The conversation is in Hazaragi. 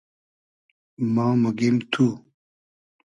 ما موگیم تو